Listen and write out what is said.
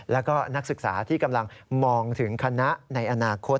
แล้วก็นักศึกษาที่กำลังมองถึงคณะในอนาคต